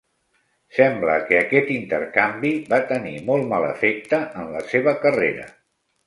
Sembla que aquest intercanvi va tenir molt mal efecte en la seva carrera.